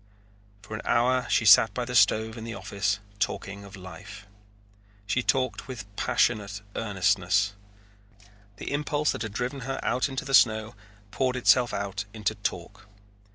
For an hour she sat by the stove in the office talking of life. She talked with passionate earnestness. The impulse that had driven her out into the snow poured itself out into talk.